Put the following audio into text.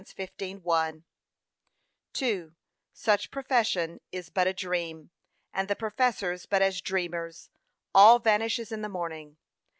15:1, 2) Such profession is but a dream, and the professors but as dreamers: all vanishes in the morning.